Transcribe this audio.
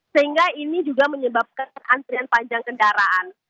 sehingga ini juga menyebabkan antrian panjang kendaraan